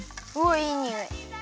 いいにおい。